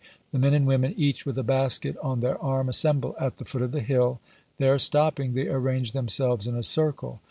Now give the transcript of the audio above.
"The men and women, each with a basket on their arm, assemble at the foot of the hill; there stopping, they arrange themselves in a circle.